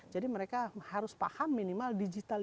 jadi mereka harus paham minimal digitalnya